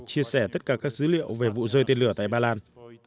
chia sẻ tất cả các dữ liệu về vụ rơi tên lửa tại ba lan